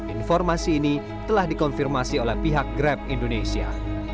informasi ini telah dikonfirmasi oleh pihak grab indonesia